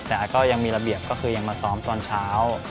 แต่ก็ยังมีระเบียบก็คือยังมาซ้อมตอนเช้า